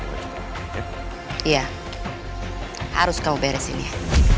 iya harus kamu beresin ya